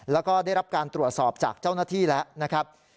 แล้วก็ได้รับการตรวจสอบจากเจ้าหน้าที่แล้วนะครับ